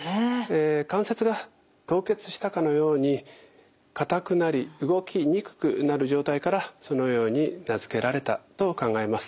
え関節が凍結したかのように硬くなり動きにくくなる状態からそのように名付けられたと考えます。